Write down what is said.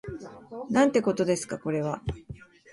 なんてことですかこれは